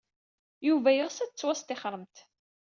Yuba yeɣs ad tettwastixremt.